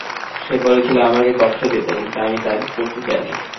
সে বলেছিল তোমাকে কষ্ট দিতে, কিন্তু আমি তা করতে চাইনি।